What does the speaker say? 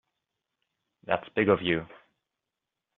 That's big of you.